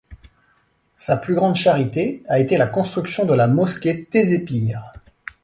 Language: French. Sa plus grande charité a été la construction de la mosquée Tézé Pir.